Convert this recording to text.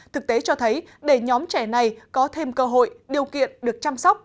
thực tế cho thấy để nhóm trẻ này có thêm cơ hội điều kiện được chăm sóc